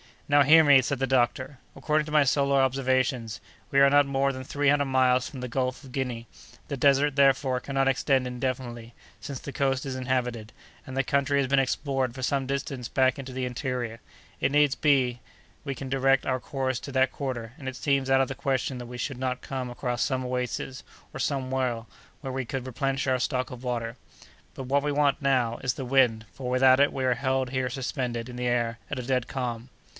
"Now, hear me!" said the doctor. "According to my solar observations, we are not more than three hundred miles from the Gulf of Guinea; the desert, therefore, cannot extend indefinitely, since the coast is inhabited, and the country has been explored for some distance back into the interior. If needs be, we can direct our course to that quarter, and it seems out of the question that we should not come across some oasis, or some well, where we could replenish our stock of water. But, what we want now, is the wind, for without it we are held here suspended in the air at a dead calm.